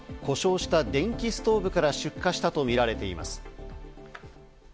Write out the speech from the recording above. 故障した電気ストーブから出火したとみられています。